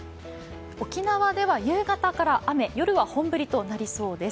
沖縄では夕方から雨夜は本降りとなりそうです。